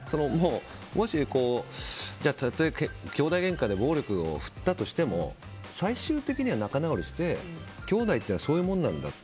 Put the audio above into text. もしたとえ、きょうだいげんかで暴力をふるったとしても最終的には仲直りしてきょうだいというのはそういうものなんだって。